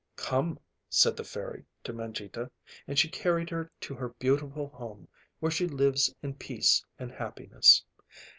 "Come," said the fairy to Mangita, and she carried her to her beautiful home, where she lives in peace and happiness.